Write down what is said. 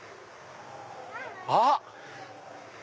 あっ！